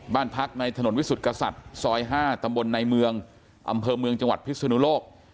บ้านพักในถนนวิสุทธิ์กษัตริย์ซอย๕ตำบลในเมืองอำเภอเมืองจังหวัดพิศนุโลก